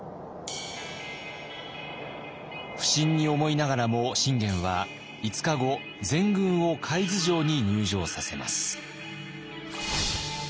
不審に思いながらも信玄は５日後全軍を海津城に入城させます。